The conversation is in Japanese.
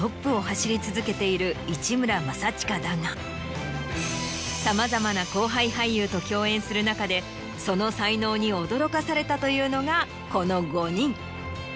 市村正親だがさまざまな後輩俳優と共演する中でその才能に驚かされたというのがこの５人。